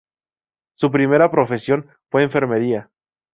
Su primera profesión fue enfermería.